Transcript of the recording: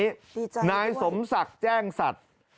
ดีจังนายสมศักดิ์แจ้งสัตว์